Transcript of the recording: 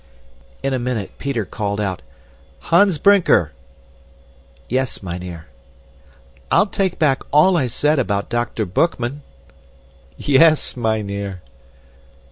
In a minute Peter called out, "Hans Brinker!" "Yes, mynheer." "I'll take back all I said about Dr. Boekman." "Yes, mynheer."